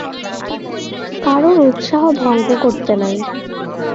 কারুর উৎসাহ ভঙ্গ করতে নাই।